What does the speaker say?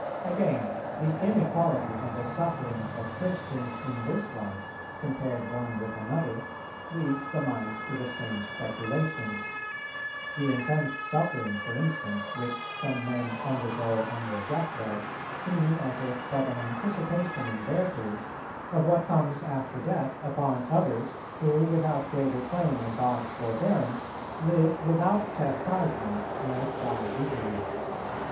Again, the inequality of the sufferings of Christians in this life, compared one with another, leads the mind to the same speculations; the intense suffering, for instance, which some men undergo on their death bed, seeming as if but an anticipation in their case of what comes after death upon others, who, without greater claim on God's forbearance, live without chastisement, and die easily.